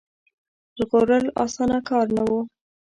ژغورل اسانه کار نه وو.